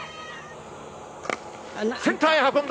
センターへ運んだ！